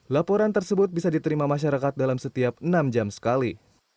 laporan tersebut bisa diterima masyarakat dalam setiap enam jam sekali